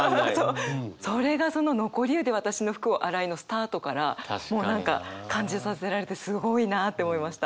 それがその「残り湯で私の服を洗い」のスタートからもう何か感じさせられてすごいなあって思いました。